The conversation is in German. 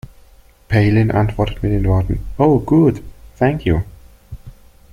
Palin antwortet mit den Worten „Oh good, thank you“.